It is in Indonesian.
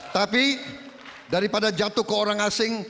tapi daripada jatuh ke orang asing